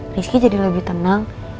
rizky jadi lebih tenang